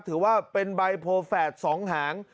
ถือว่าเป็นใบโผล่แฝดสองหาง